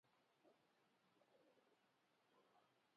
Its anus sits immediately in front of the origin of the anal fin.